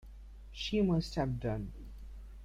She must have done.